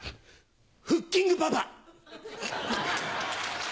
フッキングパパ。